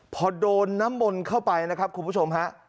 พอโดนน้ำมนต์เข้าไปนะครับคุณผู้ชมฮะ